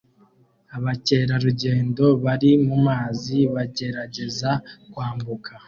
abakerarugendo bari mumazi bagerageza kwambuka